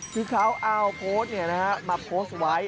คือเขาเอาโพสต์มาโพสต์ไว้